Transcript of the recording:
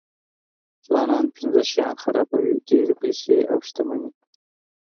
ځوانان پنځه شیان خرابوي ډېرې پیسې او شتمني.